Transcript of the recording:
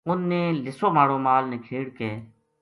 اُنھ نے لِسو ماڑو مال نکھیڑ کے